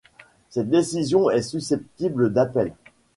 Cette décision est susceptible d'appel.